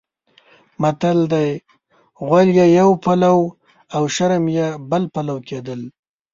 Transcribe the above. متل دی: غول یې یو پلو او شرم یې بل پلو کېدل.